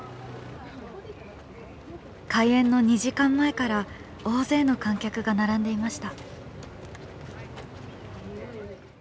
開演の２時間前から大勢の観客が並んでいました。